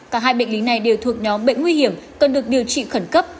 cả hai bệnh lý này đều thuộc nhóm bệnh nguy hiểm cần được điều trị khẩn cấp